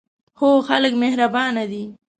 هو، خلک مهربانه دي